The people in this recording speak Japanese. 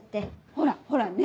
ほらほらね